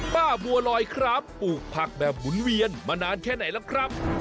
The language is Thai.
บัวลอยครับปลูกผักแบบหมุนเวียนมานานแค่ไหนแล้วครับ